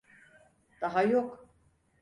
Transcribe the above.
Daha yok.